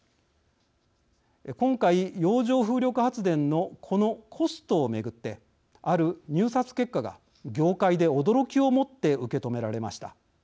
今回、洋上風力発電のこのコストを巡ってある入札結果が、業界で驚きをもって受け止められました。